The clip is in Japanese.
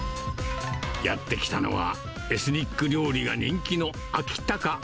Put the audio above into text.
やって来たのは、エスニック料理が人気のアキタカ。